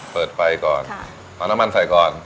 เปิดไฟก่อนเอาน้ำมันใส่ก่อน